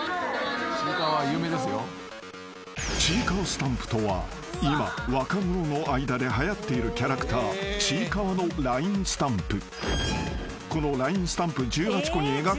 スタンプとは今若者の間ではやっているキャラクターちいかわのＬＩＮＥスタンプ］